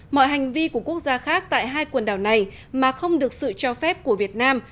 mọi hành vi của quốc gia khác tại hai quần đảo này mà không được sự cho phép của việt nam